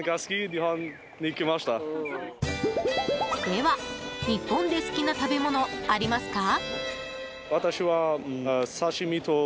では日本で好きな食べ物ありますか？